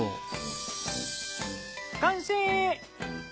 完成！